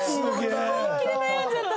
本気で悩んじゃった。